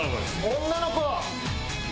女の子！